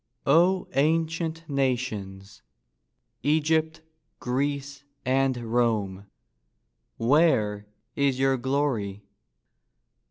O ancient nations—Egypt, Greece, and Rome— Where is your glory?